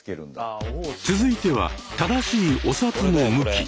続いては正しいお札の向き。